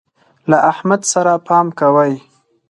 له احمد سره پام کوئ.